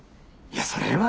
いやそれは。